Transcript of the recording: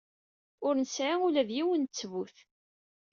Ur nesɛi ula d yiwen n ttbut.